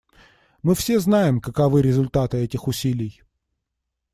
Мы все знаем, каковы результаты этих усилий.